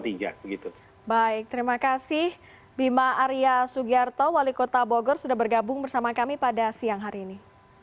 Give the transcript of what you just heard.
baik terima kasih bima arya sugiarto wali kota bogor sudah bergabung bersama kami pada siang hari ini